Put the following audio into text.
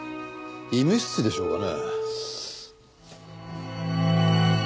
医務室でしょうかね？